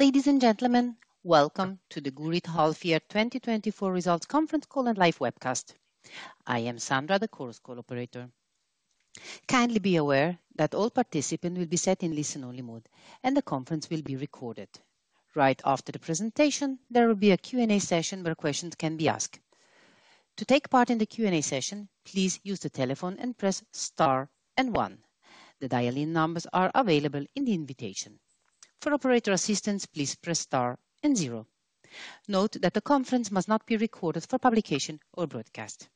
Ladies and gentlemen, welcome to the Gurit half year 2024 results Conference Call and live webcast. I am Sandra, the Chorus Call operator. Kindly be aware that all participants will be set in listen-only mode, and the conference will be recorded. Right after the presentation, there will be a Q&A session where questions can be asked. To take part in the Q&A session, please use the telephone and press star and one. The dial-in numbers are available in the invitation. For operator assistance, please press star and zero. Note that the conference must not be recorded for publication or broadcast.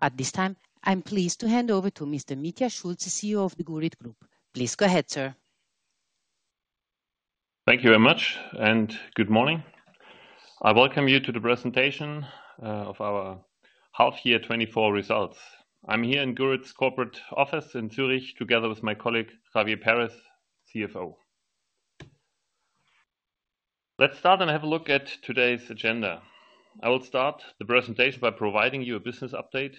At this time, I'm pleased to hand over to Mr. Mitja Schulz, the CEO of the Gurit Group. Please go ahead, sir. Thank you very much, and good morning. I welcome you to the presentation of our half year twenty-four results. I'm here in Gurit's corporate office in Zurich, together with my colleague, Javier Perez, CFO. Let's start and have a look at today's agenda. I will start the presentation by providing you a business update,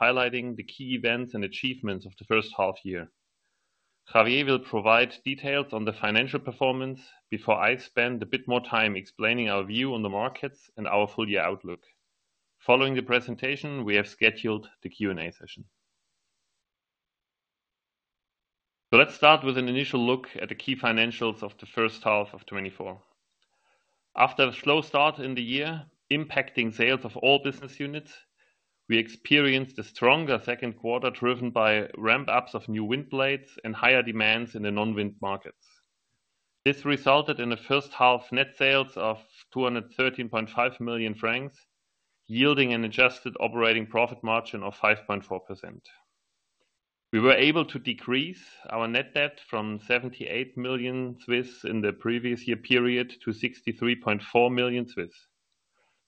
highlighting the key events and achievements of the first half year. Javier will provide details on the financial performance before I spend a bit more time explaining our view on the markets and our full year outlook. Following the presentation, we have scheduled the Q&A session. So let's start with an initial look at the key financials of the first half of twenty-four. After a slow start in the year, impacting sales of all business units, we experienced a stronger Q2, driven by ramp-ups of new wind blades and higher demands in the non-wind markets. This resulted in the first half net sales of 213.5 million francs, yielding an adjusted operating profit margin of 5.4%. We were able to decrease our net debt from 78 million CHF in the previous year period to 63.4 million CHF.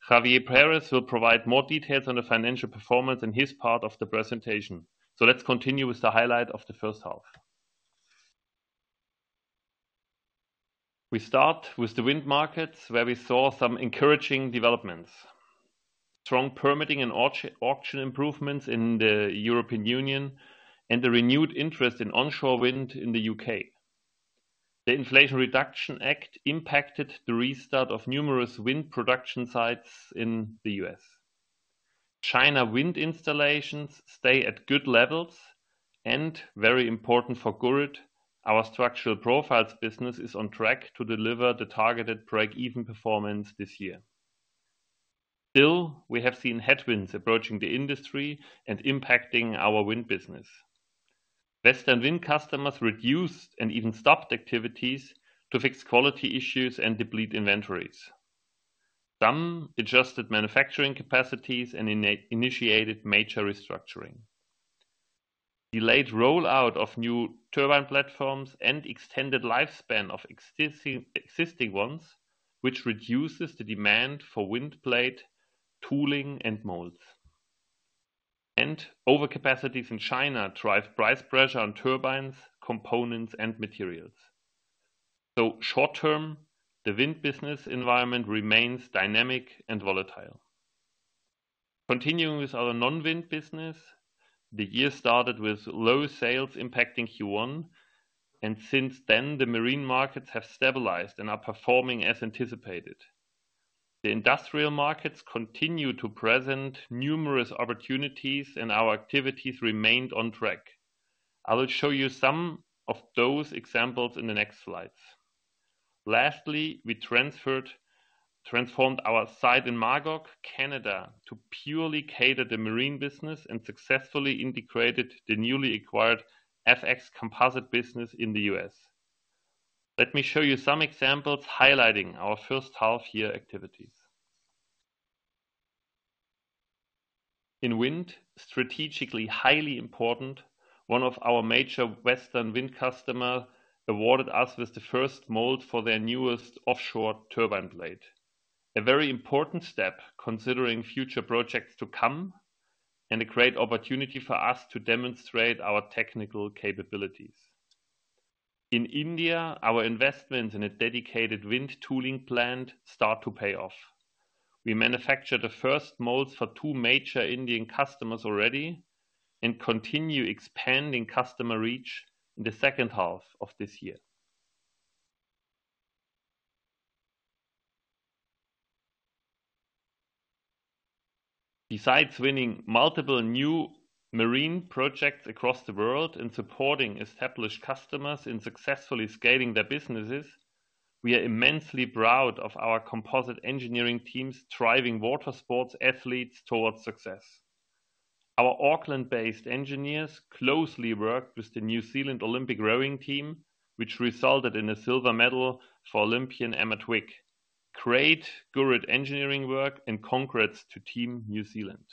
Javier Perez will provide more details on the financial performance in his part of the presentation. So let's continue with the highlight of the first half. We start with the wind markets, where we saw some encouraging developments. Strong permitting and auction improvements in the European Union and the renewed interest in onshore wind in the U.K. The Inflation Reduction Act impacted the restart of numerous wind production sites in the U.S. China wind installations stay at good levels, and very important for Gurit, our structural profiles business is on track to deliver the targeted break-even performance this year. Still, we have seen headwinds approaching the industry and impacting our wind business. Western wind customers reduced and even stopped activities to fix quality issues and deplete inventories. Some adjusted manufacturing capacities and initiated major restructuring. Delayed rollout of new turbine platforms and extended lifespan of existing ones, which reduces the demand for wind blade, tooling, and molds, and overcapacities in China drive price pressure on turbines, components, and materials, so short term, the wind business environment remains dynamic and volatile. Continuing with our non-wind business, the year started with low sales impacting Q1, and since then, the marine markets have stabilized and are performing as anticipated. The industrial markets continue to present numerous opportunities, and our activities remained on track. I will show you some of those examples in the next slides. Lastly, we transformed our site in Magog, Canada, to purely cater the marine business and successfully integrated the newly acquired FX Composites business in the U.S. Let me show you some examples highlighting our first half year activities. In wind, strategically highly important, one of our major Western wind customer awarded us with the first mold for their newest offshore turbine blade. A very important step, considering future projects to come, and a great opportunity for us to demonstrate our technical capabilities. In India, our investment in a dedicated wind tooling plant start to pay off. We manufacture the first molds for two major Indian customers already and continue expanding customer reach in the second half of this year. Besides winning multiple new marine projects across the world and supporting established customers in successfully scaling their businesses, we are immensely proud of our composite engineering teams driving water sports athletes towards success. Our Auckland-based engineers closely worked with the New Zealand Olympic rowing team, which resulted in a silver medal for Olympian Emma Twigg. Great Gurit engineering work, and congrats to Team New Zealand.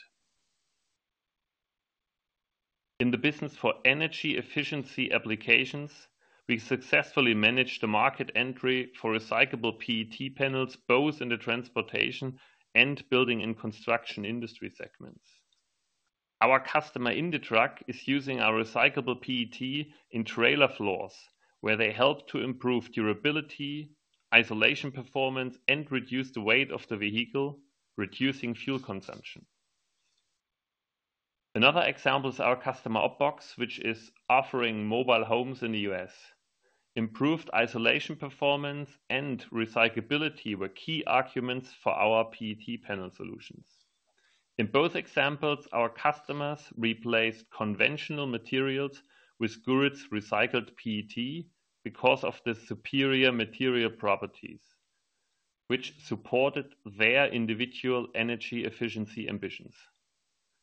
In the business for energy efficiency applications, we successfully managed the market entry for recyclable PET panels, both in the transportation and building and construction industry segments. Our customer in the truck is using our recyclable PET in trailer floors, where they help to improve durability, isolation performance, and reduce the weight of the vehicle, reducing fuel consumption. Another example is our customer, Outbound, which is offering mobile homes in the U.S. Improved isolation performance and recyclability were key arguments for our PET panel solutions. In both examples, our customers replaced conventional materials with Gurit's recycled PET, because of the superior material properties, which supported their individual energy efficiency ambitions.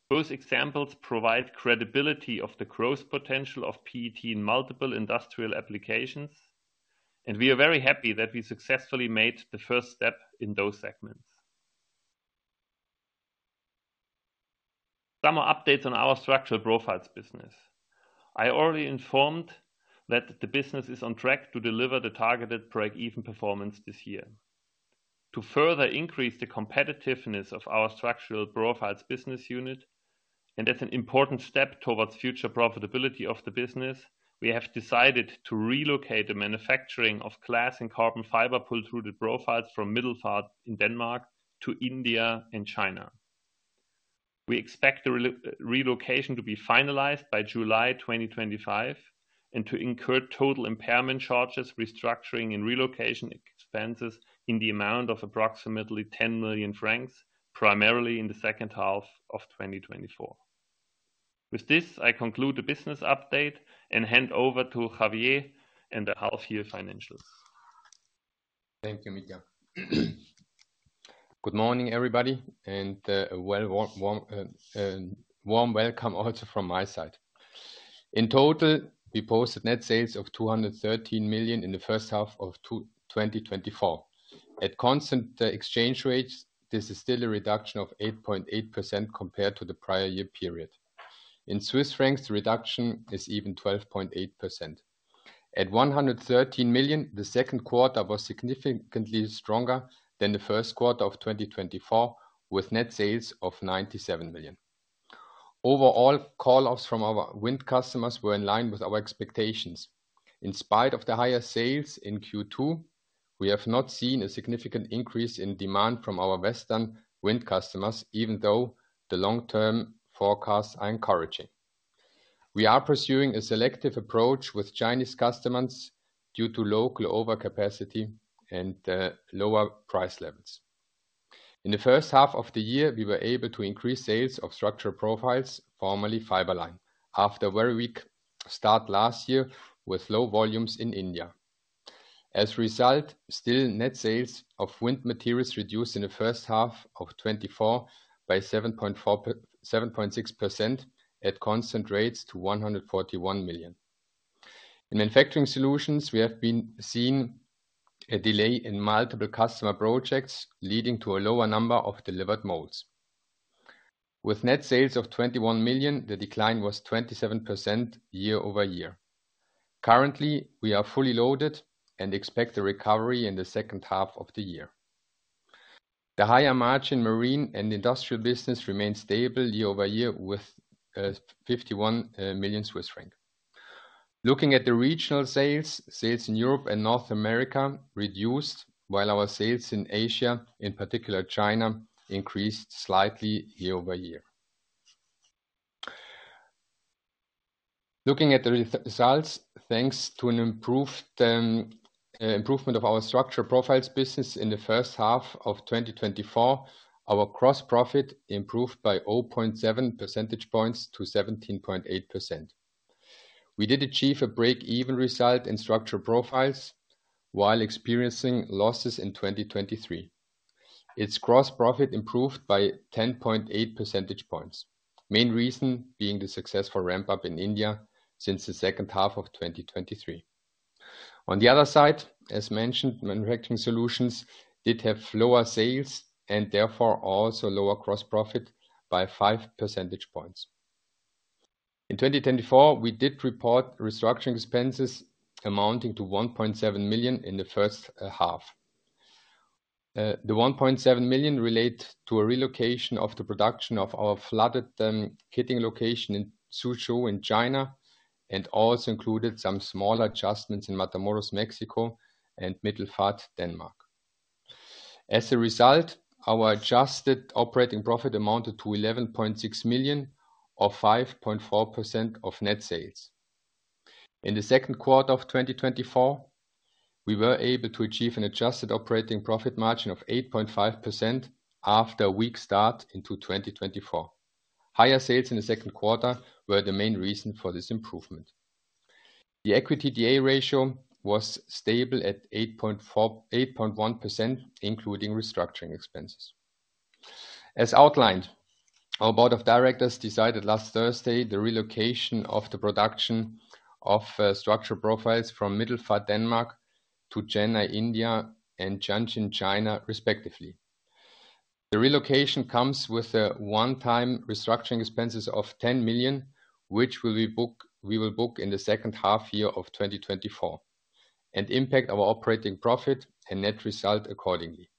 Both examples provide credibility of the growth potential of PET in multiple industrial applications, and we are very happy that we successfully made the first step in those segments. Some updates on our Structural Profiles business. I already informed that the business is on track to deliver the targeted break-even performance this year. To further increase the competitiveness of our Structural Profiles business unit, and as an important step towards future profitability of the business, we have decided to relocate the manufacturing of glass and carbon fiber pultruded profiles from Middelfart in Denmark to India and China. We expect the relocation to be finalized by July 2025, and to incur total impairment charges, restructuring and relocation expenses in the amount of approximately 10 million francs, primarily in the second half of 2024. With this, I conclude the business update and hand over to Javier and the half year financials. Thank you, Mitja. Good morning, everybody, and well, warm welcome also from my side. In total, we posted net sales of 213 million in the first half of 2024. At constant exchange rates, this is still a reduction of 8.8% compared to the prior year period. In Swiss francs, the reduction is even 12.8%. At 113 million, the Q2 was significantly stronger than the Q1 of 2024, with net sales of 97 million. Overall, call offs from our wind customers were in line with our expectations. In spite of the higher sales in Q2, we have not seen a significant increase in demand from our western wind customers, even though the long-term forecasts are encouraging. We are pursuing a selective approach with Chinese customers due to local overcapacity and lower price levels. In the first half of the year, we were able to increase sales of structural profiles, formerly Fiberline, after a very weak start last year with low volumes in India. As a result, still net sales of wind materials reduced in the first half of 2024 by 7.6% at constant rates to 141 million. In Manufacturing Solutions, we have been seeing a delay in multiple customer projects, leading to a lower number of delivered molds. With net sales of 21 million, the decline was 27% year over year. Currently, we are fully loaded and expect a recovery in the second half of the year. The higher margin marine and industrial business remained stable year over year, with 51 million Swiss francs. Looking at the regional sales, sales in Europe and North America reduced, while our sales in Asia, in particular China, increased slightly year over year. Looking at the results, thanks to an improved improvement of our Structural Profiles business in the first half of 2024, our gross profit improved by 0.7 percentage points to 17.8%. We did achieve a break-even result in Structural Profiles while experiencing losses in 2023. Its gross profit improved by 10.8 percentage points. Main reason being the successful ramp-up in India since the second half of 2023. On the other side, as mentioned, Manufacturing Solutions did have lower sales and therefore also lower gross profit by five percentage points. In 2024, we did report restructuring expenses amounting to 1.7 million in the first half. The 1.7 million relate to a relocation of the production of our core kitting location in Suzhou, China, and also included some smaller adjustments in Matamoros, Mexico and Middelfart, Denmark. As a result, our adjusted operating profit amounted to 11.6 million, or 5.4% of net sales. In the Q2 of 2024, we were able to achieve an adjusted operating profit margin of 8.5% after a weak start into 2024. Higher sales in the Q2 were the main reason for this improvement. The EBITDA was stable at 8.4-8.1%, including restructuring expenses. As outlined, our board of directors decided last Thursday, the relocation of the production of structural profiles from Middelfart, Denmark to Chennai, India and Tianjin, China, respectively. The relocation comes with a one-time restructuring expenses of 10 million, which we will book in the second half of 2024, and impact our operating profit and net result accordingly.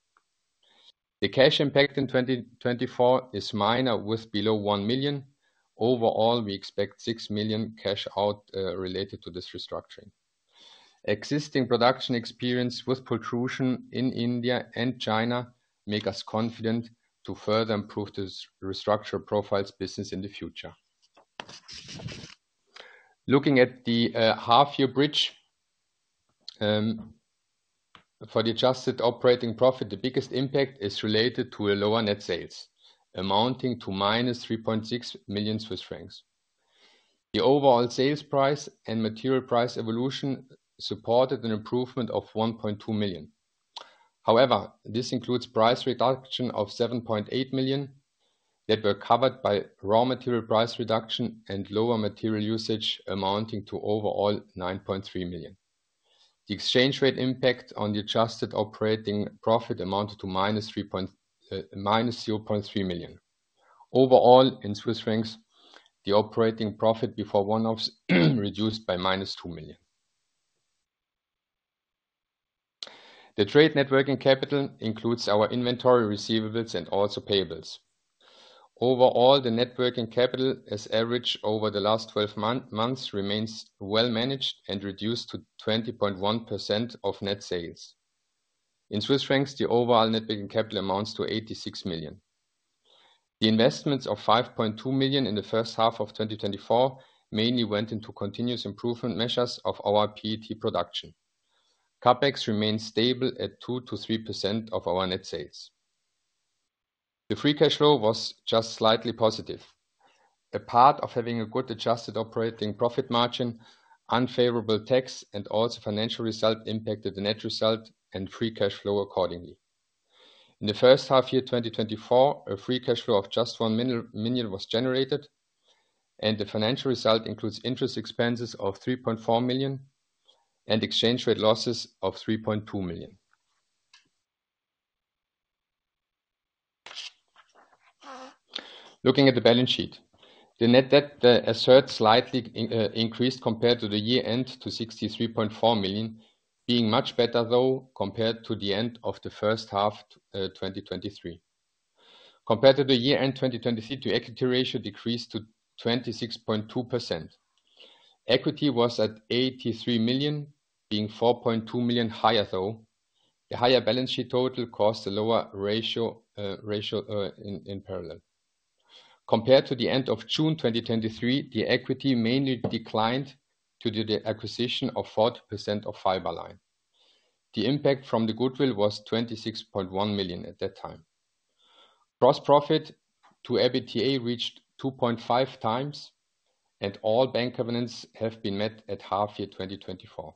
The cash impact in 2024 is minor, with below 1 million. Overall, we expect 6 million cash out related to this restructuring. Existing production experience with pultrusion in India and China make us confident to further improve the restructured Structural Profiles business in the future. Looking at the half-year bridge for the adjusted operating profit, the biggest impact is related to a lower net sales, amounting to -3.6 million Swiss francs. The overall sales price and material price evolution supported an improvement of 1.2 million. However, this includes price reduction of 7.8 million, that were covered by raw material price reduction and lower material usage, amounting to overall 9.3 million. The exchange rate impact on the adjusted operating profit amounted to minus 0.3 million. Overall, in Swiss francs, the operating profit before one-offs, reduced by minus 2 million. The trade net working capital includes our inventory receivables and also payables. Overall, the net working capital, as average over the last twelve months, remains well managed and reduced to 20.1% of net sales. In Swiss francs, the overall net working capital amounts to 86 million. The investments of 5.2 million in the first half of 2024 mainly went into continuous improvement measures of our PET production. CapEx remains stable at 2%-3% of our net sales. The free cash flow was just slightly positive. A part of having a good adjusted operating profit margin, unfavorable tax, and also financial result impacted the net result and free cash flow accordingly. In the first half year, 2024, a free cash flow of just 1 million was generated, and the financial result includes interest expenses of 3.4 million and exchange rate losses of 3.2 million. Looking at the balance sheet, the net debt as it slightly increased compared to the year-end to 63.4 million, being much better though, compared to the end of the first half, 2023. Compared to the year-end 2023, the equity ratio decreased to 26.2%. Equity was at 83 million, being 4.2 million higher, though. The higher balance sheet total caused a lower ratio. Compared to the end of June 2023, the equity mainly declined due to the acquisition of 40% of Fiberline. The impact from the goodwill was 26.1 million at that time. Gross profit to EBITDA reached 2.5 times, and all bank covenants have been met at half year 2024.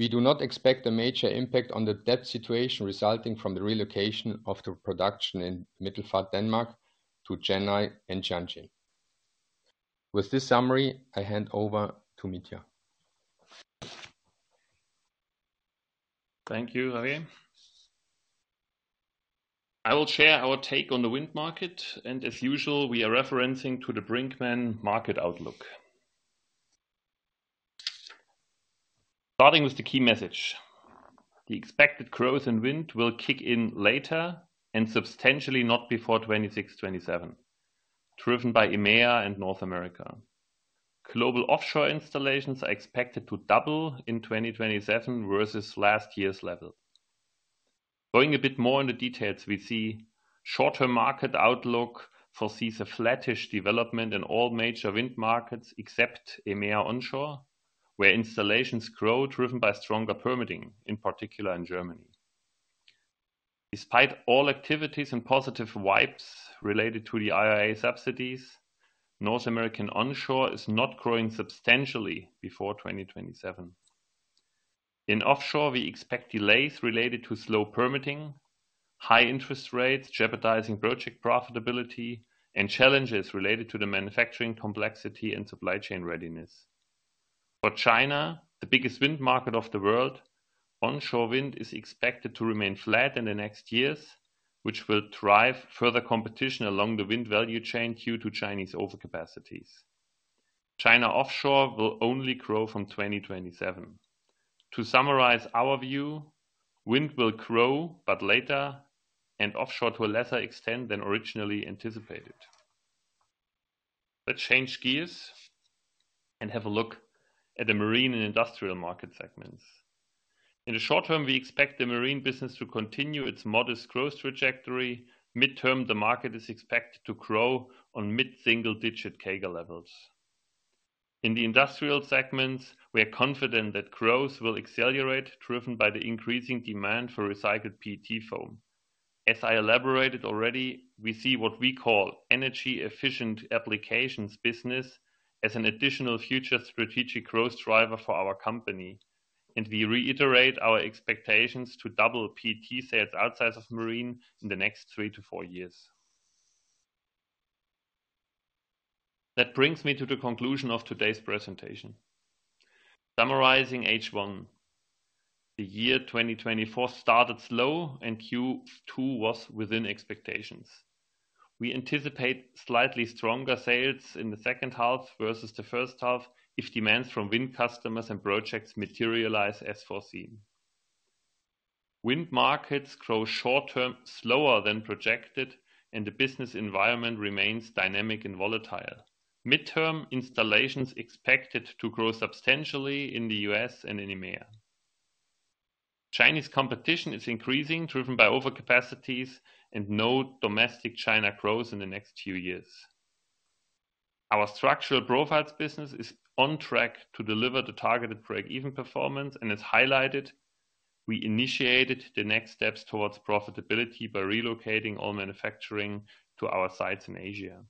We do not expect a major impact on the debt situation resulting from the relocation of the production in Middelfart, Denmark, to Chennai and Tianjin. With this summary, I hand over to Mitja. Thank you, Javier. I will share our take on the wind market, and as usual, we are referencing to the Brinckmann market outlook. Starting with the key message, the expected growth in wind will kick in later and substantially not before 2026, 2027, driven by EMEA and North America. Global offshore installations are expected to double in 2027 versus last year's level. Going a bit more into details, we see short-term market outlook foresees a flattish development in all major wind markets, except EMEA onshore, where installations grow, driven by stronger permitting, in particular in Germany. Despite all activities and positive vibes related to the IRA subsidies, North American onshore is not growing substantially before 2027. In offshore, we expect delays related to slow permitting, high interest rates, jeopardizing project profitability, and challenges related to the manufacturing complexity and supply chain readiness. For China, the biggest wind market of the world, onshore wind is expected to remain flat in the next years, which will drive further competition along the wind value chain due to Chinese overcapacities. China offshore will only grow from 2027. To summarize our view, wind will grow, but later, and offshore to a lesser extent than originally anticipated. Let's change gears and have a look at the marine and industrial market segments. In the short term, we expect the marine business to continue its modest growth trajectory. Midterm, the market is expected to grow on mid-single digit CAGR levels. In the industrial segments, we are confident that growth will accelerate, driven by the increasing demand for recycled PET foam. As I elaborated already, we see what we call energy-efficient applications business as an additional future strategic growth driver for our company, and we reiterate our expectations to double PET sales outside of marine in the next three to four years. That brings me to the conclusion of today's presentation. Summarizing H1, the year 2024 started slow, and Q2 was within expectations. We anticipate slightly stronger sales in the second half versus the first half, if demands from wind customers and projects materialize as foreseen. Wind markets grow short-term slower than projected, and the business environment remains dynamic and volatile. Mid-term, installations expected to grow substantially in the U.S. and in EMEA. Chinese competition is increasing, driven by overcapacities and low domestic China growth in the next few years. Our structural profiles business is on track to deliver the targeted break-even performance, and as highlighted, we initiated the next steps towards profitability by relocating all manufacturing to our sites in Asia.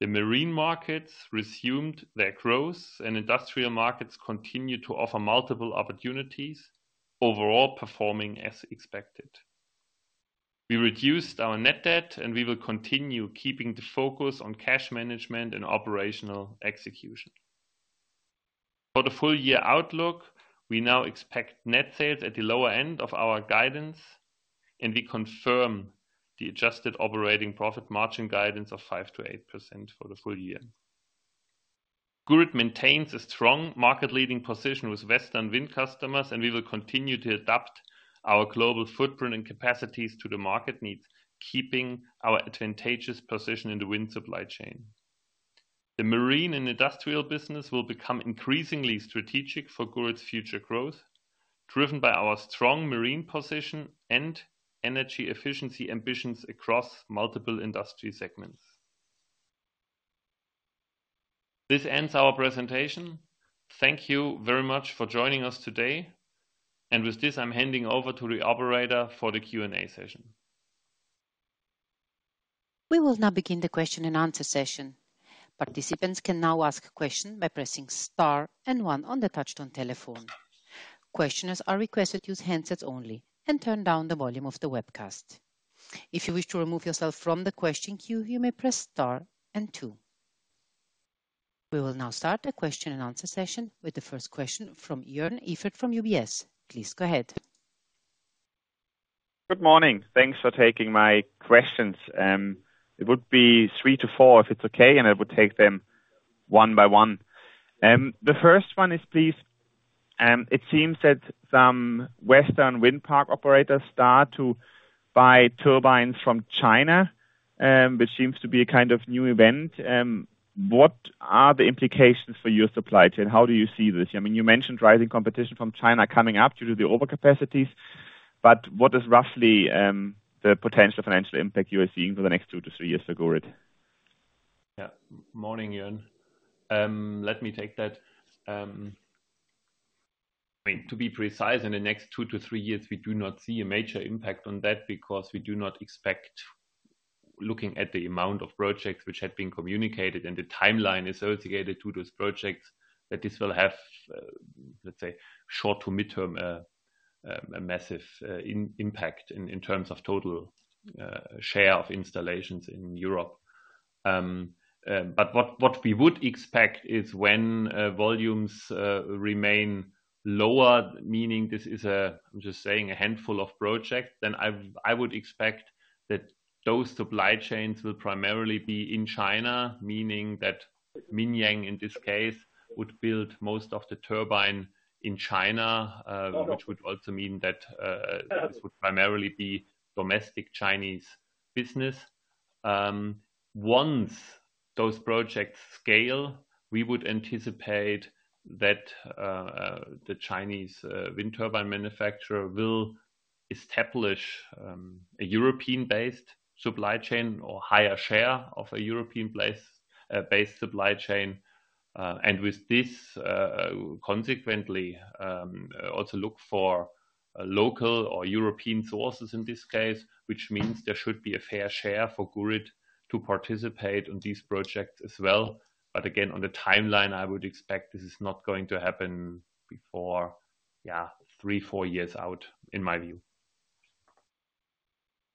The marine markets resumed their growth, and industrial markets continue to offer multiple opportunities, overall performing as expected. We reduced our net debt, and we will continue keeping the focus on cash management and operational execution. For the full year outlook, we now expect net sales at the lower end of our guidance, and we confirm the adjusted operating profit margin guidance of 5%-8% for the full year. Gurit maintains a strong market-leading position with Western wind customers, and we will continue to adapt our global footprint and capacities to the market needs, keeping our advantageous position in the wind supply chain. The marine and industrial business will become increasingly strategic for Gurit's future growth, driven by our strong marine position and energy efficiency ambitions across multiple industry segments. This ends our presentation. Thank you very much for joining us today, and with this, I'm handing over to the operator for the Q&A session. We will now begin the question and answer session. Participants can now ask a question by pressing star and one on the touch-tone telephone. Questioners are requested to use handsets only and turn down the volume of the webcast. If you wish to remove yourself from the question queue, you may press star and two. We will now start the question and answer session with the first question from Jörn Iffert from UBS. Please go ahead. Good morning. Thanks for taking my questions. It would be three to four, if it's okay, and I would take them one by one. The first one is, please, it seems that some Western wind park operators start to buy turbines from China, which seems to be a kind of new event. What are the implications for your supply chain? How do you see this? I mean, you mentioned rising competition from China coming up due to the overcapacities, but what is roughly the potential financial impact you are seeing for the next two to three years for Gurit? Yeah. Morning, Jörn. Let me take that. I mean, to be precise, in the next two to three years, we do not see a major impact on that because we do not expect, looking at the amount of projects which had been communicated and the timeline associated to those projects, that this will have, let's say, short to mid-term, a massive impact in terms of total share of installations in Europe. But what we would expect is when volumes remain lower, meaning this is a, I'm just saying, a handful of projects, then I would expect that those supply chains will primarily be in China. Meaning that Mingyang, in this case, would build most of the turbine in China, which would also mean that this would primarily be domestic Chinese business. Once those projects scale, we would anticipate that the Chinese wind turbine manufacturer will establish a European-based supply chain or higher share of a European-based supply chain, and with this, consequently, also look for local or European sources in this case, which means there should be a fair share for Gurit to participate on these projects as well. But again, on the timeline, I would expect this is not going to happen before yeah, three, four years out, in my view.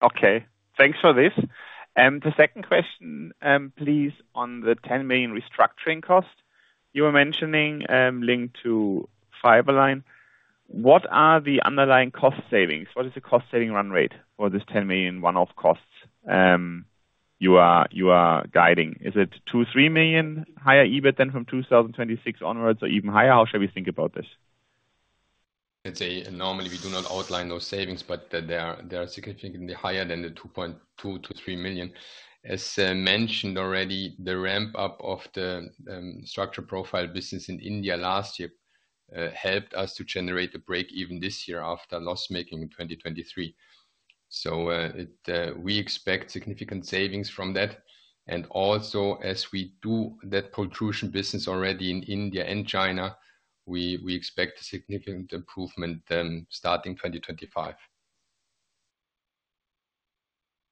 Okay, thanks for this. And the second question, please, on the ten million restructuring cost. You were mentioning, linked to Fiberline. What are the underlying cost savings? What is the cost-saving run rate for this ten million one-off costs, you are guiding? Is it two, three million higher, EBIT, than from two thousand and twenty-six onwards or even higher? How should we think about this? Let's say, normally we do not outline those savings, but they are, they are significantly higher than the 2.2 million-3 million. As mentioned already, the ramp-up of the Structural Profiles business in India last year helped us to generate break-even this year after loss-making in 2023, so we expect significant savings from that, and also as we do that pultrusion business already in India and China, we expect a significant improvement starting 2025.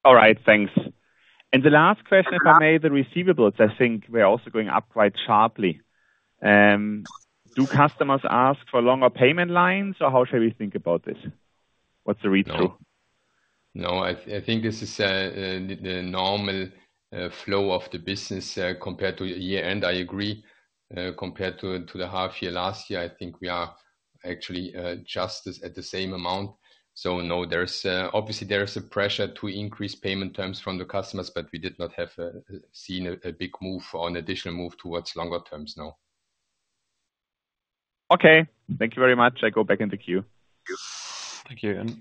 All right, thanks and the last question, if I may, the receivables, I think, were also going up quite sharply. Do customers ask for longer payment lines, or how should we think about this? What's the read-through? No. No, I think this is the normal flow of the business compared to year-end. I agree, compared to the half year last year, I think we are actually just as at the same amount. So no, there's obviously there is a pressure to increase payment terms from the customers, but we did not have seen a big move or an additional move towards longer terms, no.... Okay, thank you very much. I go back in the queue. Thank you. And-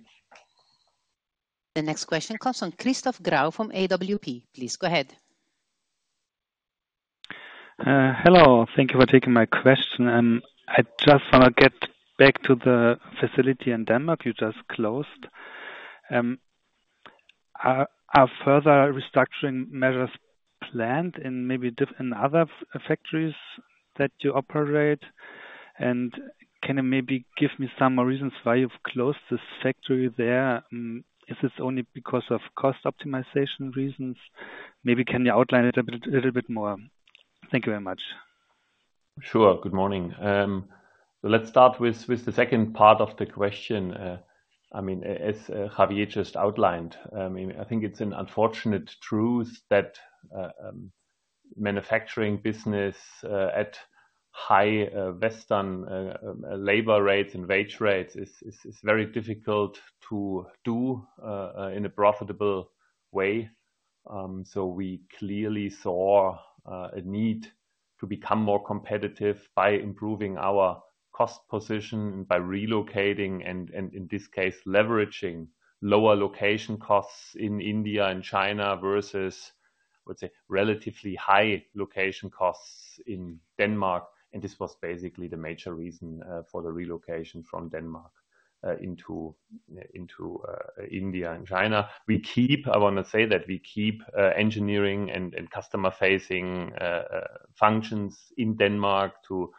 The next question comes from Christoph Grau from AWP. Please go ahead. Hello, thank you for taking my question, and I just want to get back to the facility in Denmark you just closed. Are further restructuring measures planned, maybe, in other factories that you operate? And can you maybe give me some more reasons why you've closed this factory there? Is this only because of cost optimization reasons? Maybe can you outline it a bit, a little bit more? Thank you very much. Sure. Good morning. So let's start with the second part of the question. I mean, as Javier just outlined, I mean, I think it's an unfortunate truth that manufacturing business at high Western labor rates and wage rates is very difficult to do in a profitable way. So we clearly saw a need to become more competitive by improving our cost position, by relocating, and in this case, leveraging lower location costs in India and China versus, I would say, relatively high location costs in Denmark, and this was basically the major reason for the relocation from Denmark into India and China. I want to say that we keep engineering and customer-facing functions in Denmark to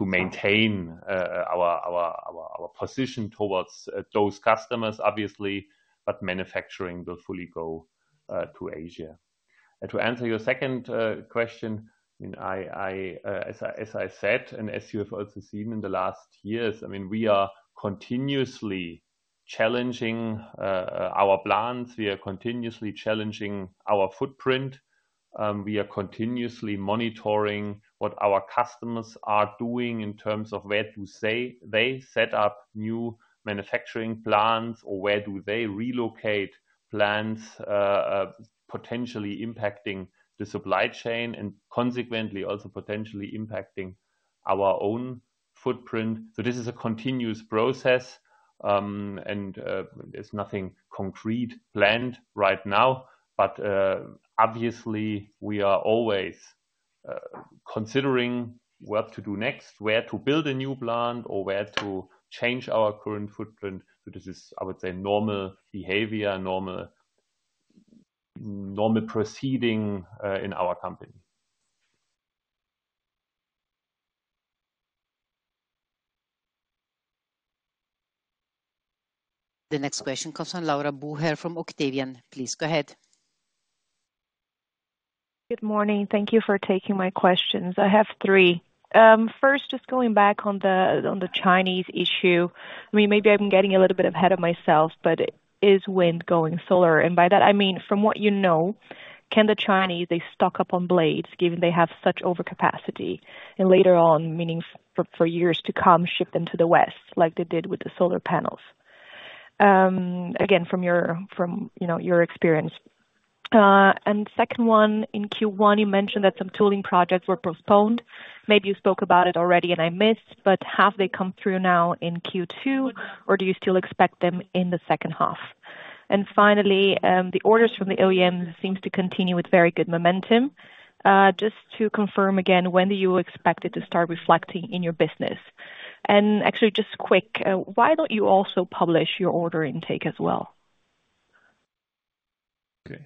maintain our position towards those customers, obviously, but manufacturing will fully go to Asia. And to answer your second question, I mean, as I said, and as you have also seen in the last years, I mean, we are continuously challenging our plans. We are continuously challenging our footprint. We are continuously monitoring what our customers are doing in terms of where they set up new manufacturing plants, or where do they relocate plants, potentially impacting the supply chain and consequently also potentially impacting our own footprint. So this is a continuous process, and there's nothing concrete planned right now. Obviously, we are always considering what to do next, where to build a new plant or where to change our current footprint. This is, I would say, normal behavior, normal proceeding in our company. The next question comes from Laura Boucher from Octavian. Please go ahead. Good morning. Thank you for taking my questions. I have three. First, just going back on the, on the Chinese issue, I mean, maybe I'm getting a little bit ahead of myself, but is wind going solar? And by that, I mean, from what you know, can the Chinese, they stock up on blades, given they have such overcapacity, and later on, meaning for, for years to come, ship them to the West, like they did with the solar panels? Again, from your, you know, your experience. And second one, in Q1, you mentioned that some tooling projects were postponed. Maybe you spoke about it already and I missed, but have they come through now in Q2, or do you still expect them in the second half? And finally, the orders from the OEM seems to continue with very good momentum. Just to confirm again, when do you expect it to start reflecting in your business? And actually, just quick, why don't you also publish your order intake as well? Okay.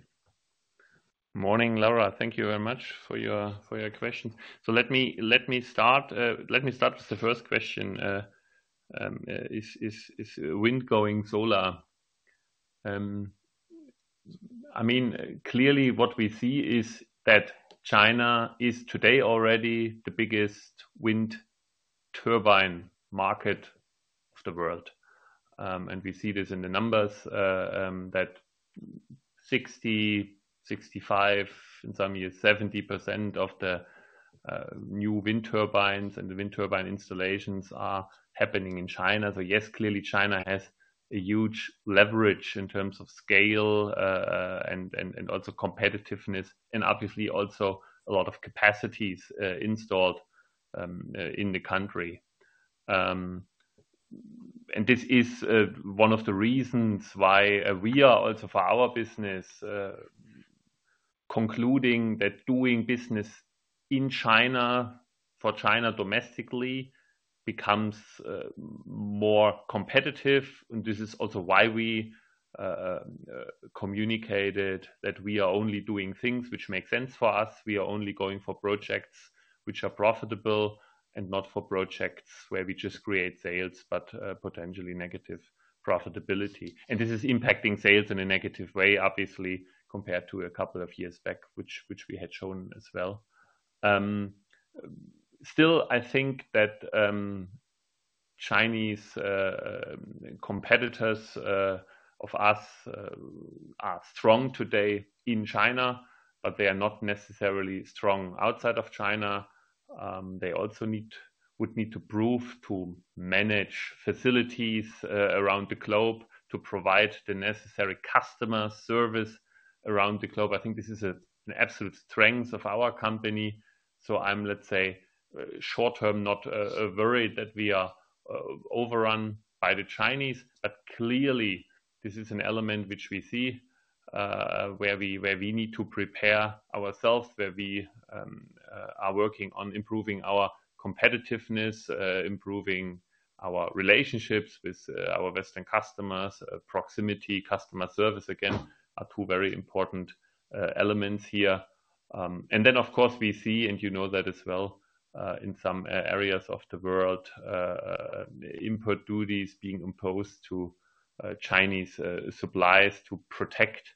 Morning, Laura. Thank you very much for your question. So let me start with the first question. Is wind going solar? I mean, clearly what we see is that China is today already the biggest wind turbine market of the world, and we see this in the numbers that 60-65%, in some years, 70% of the new wind turbine and the wind turbine installations are happening in China. So yes, clearly, China has a huge leverage in terms of scale and also competitiveness, and obviously also a lot of capacities installed in the country. And this is one of the reasons why we are also, for our business, concluding that doing business in China, for China domestically becomes more competitive. And this is also why we communicated that we are only doing things which make sense for us. We are only going for projects which are profitable, and not for projects where we just create sales, but potentially negative profitability. And this is impacting sales in a negative way, obviously, compared to a couple of years back, which we had shown as well. Still, I think that Chinese competitors of us are strong today in China, but they are not necessarily strong outside of China. They also would need to prove to manage facilities around the globe, to provide the necessary customer service around the globe. I think this is an absolute strength of our company. So I'm, let's say, short-term, not worried that we are overrun by the Chinese, but clearly this is an element which we see where we need to prepare ourselves where we are working on improving our competitiveness, improving our relationships with our Western customers. Proximity customer service, again, are two very important elements here. Then, of course, we see, and you know that as well, in some areas of the world input duties being imposed to Chinese suppliers to protect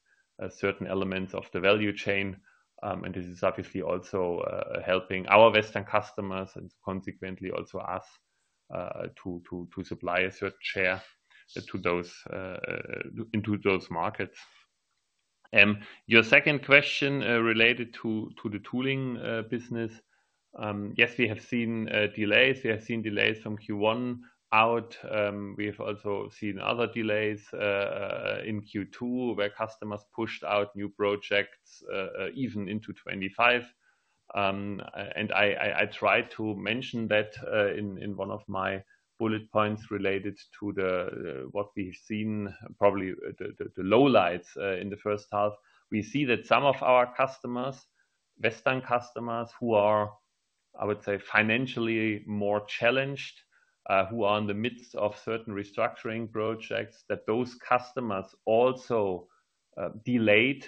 certain elements of the value chain. This is obviously also helping our Western customers, and consequently also us to supply a certain share to those into those markets. Your second question related to the tooling business. Yes, we have seen delays. We have seen delays from Q1 out. We've also seen other delays in Q2, where customers pushed out new projects even into 2025, and I tried to mention that in one of my bullet points related to what we've seen, probably the lowlights in the first half. We see that some of our customers, Western customers, who are, I would say, financially more challenged, who are in the midst of certain restructuring projects, that those customers also delayed,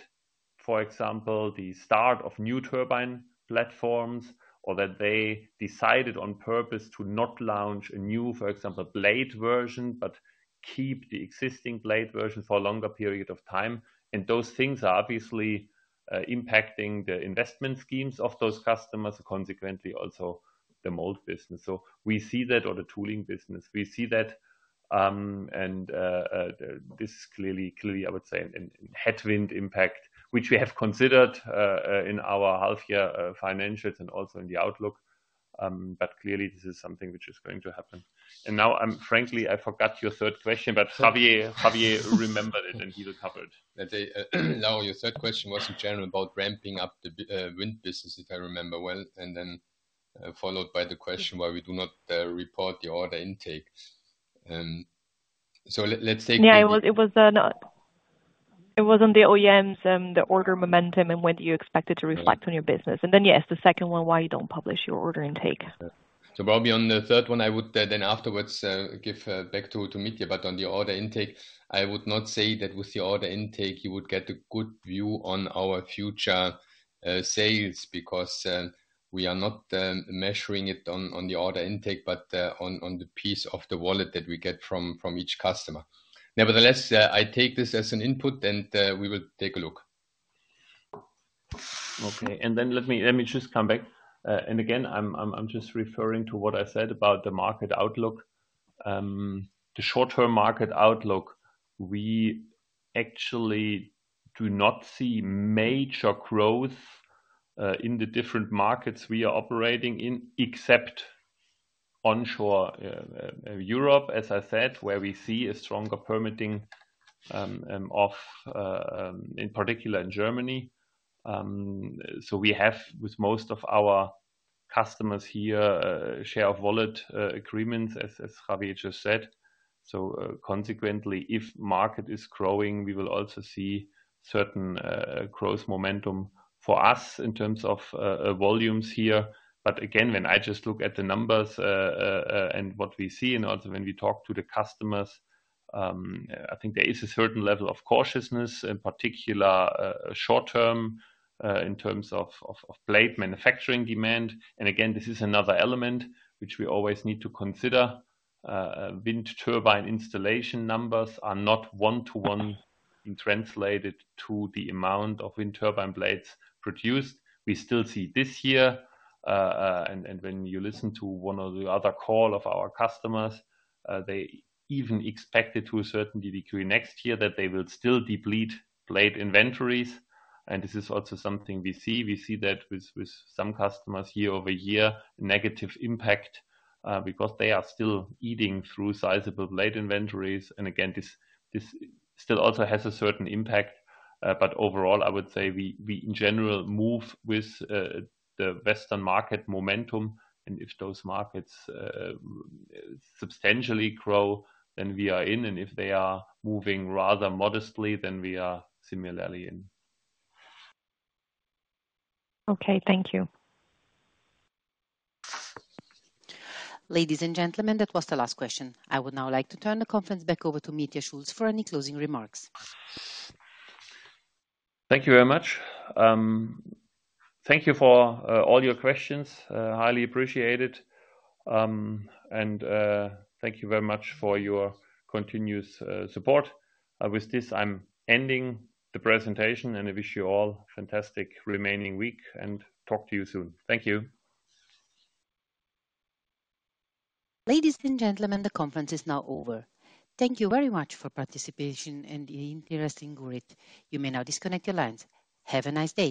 for example, the start of new turbine platforms. Or that they decided on purpose to not launch a new, for example, blade version, but keep the existing blade version for a longer period of time. And those things are obviously impacting the investment schemes of those customers, and consequently, also the mold business. So we see that or the tooling business. We see that, and this clearly, clearly, I would say, a headwind impact, which we have considered in our half-year financials and also in the outlook. But clearly this is something which is going to happen. And now I'm frankly, I forgot your third question, but Javier remembered it, and he will cover it. Now, your third question was in general about ramping up the wind business, if I remember well, and then followed by the question why we do not report the order intakes. Let's take- Yeah, it was on the OEMs, the order momentum and when do you expect it to reflect on your business? And then, yes, the second one, why you don't publish your order intake? Probably on the third one, I would then afterwards give back to Mitja, but on the order intake, I would not say that with the order intake you would get a good view on our future sales, because we are not measuring it on the order intake, but on the piece of the wallet that we get from each customer. Nevertheless, I take this as an input, and we will take a look. Okay, and then let me just come back. And again, I'm just referring to what I said about the market outlook. The short-term market outlook, we actually do not see major growth in the different markets we are operating in, except onshore Europe, as I said, where we see a stronger permitting in particular in Germany. So we have, with most of our customers here, a share of wallet agreements, as Javier just said. So, consequently, if market is growing, we will also see certain growth momentum for us in terms of volumes here. But again, when I just look at the numbers, and what we see, and also when we talk to the customers, I think there is a certain level of cautiousness, in particular, short term, in terms of blade manufacturing demand. And again, this is another element which we always need to consider. Wind turbine installation numbers are not one to one directly translated to the amount of wind turbine blades produced. We still see this year, and when you listen to one or the other call of our customers, they even expect it to a certain degree next year, that they will still deplete blade inventories. And this is also something we see. We see that with some customers year over year, negative impact, because they are still eating through sizable blade inventories. Again, this still also has a certain impact, but overall, I would say we in general move with the Western market momentum. If those markets substantially grow, then we are in, and if they are moving rather modestly, then we are similarly in. Okay. Thank you. Ladies and gentlemen, that was the last question. I would now like to turn the conference back over to Mitja Schulz for any closing remarks. Thank you very much. Thank you for all your questions. Highly appreciated, and thank you very much for your continuous support. With this, I'm ending the presentation, and I wish you all fantastic remaining week, and talk to you soon. Thank you. Ladies and gentlemen, the conference is now over. Thank you very much for participation and the interesting questions. You may now disconnect your lines. Have a nice day.